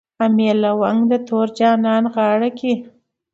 امیل لونګ د تور جانان غاړه کي